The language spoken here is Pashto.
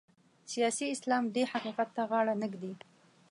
سیاسي اسلام دې حقیقت ته غاړه نه ږدي.